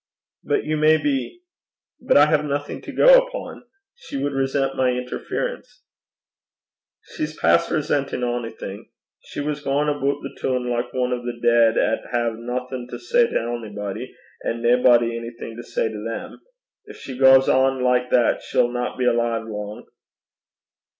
'But you may be . But I have nothing to go upon. She would resent my interference.' 'She's past resentin' onything. She was gaein' aboot the toon like ane o' the deid 'at hae naething to say to onybody, an' naebody onything to say to them. Gin she gangs on like that she'll no be alive lang.'